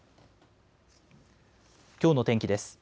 きょうの天気です。